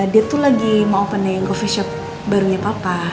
dia tuh lagi mau open gofeshop barunya papa